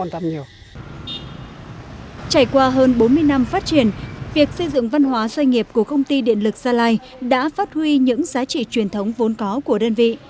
trải qua hơn bốn mươi năm phát triển việc xây dựng văn hóa doanh nghiệp của công ty điện lực gia lai đã phát huy những giá trị truyền thống vốn có của đơn vị